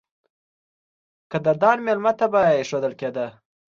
قدردان مېلمه ته به اېښودل کېده.